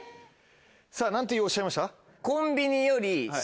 さぁ何ておっしゃいました？